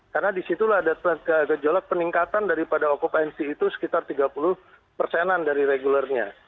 karena disitulah ada gejolak peningkatan daripada okupansi itu sekitar tiga puluh persenan dari regulernya